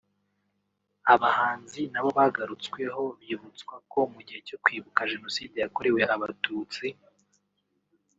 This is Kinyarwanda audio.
Abahanzi nabo bagarutsweho bibutswa ko mu gihe cyo kwibuka Jenoside yakorewe Abatutsi